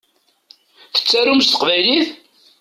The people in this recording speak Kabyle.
Tettarum s teqbaylit?